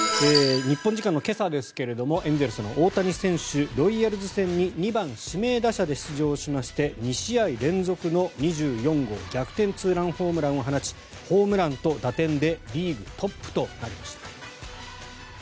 日本時間の今朝ですがエンゼルスの大谷選手ロイヤルズ戦に２番指名打者で出場しまして２試合連続の２４号逆転ツーランホームランを放ちホームランと打点でリーグトップとなりました。